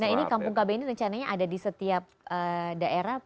nah ini kampung kb ini rencananya ada di setiap daerah